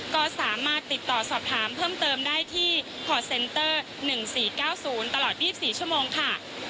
ก็สามารถติดต่อสอบถามเพิ่มเติมได้ที่คอร์เซนเตอร์๑๔๙๐ตลอด๒๔ชั่วโมงค่ะ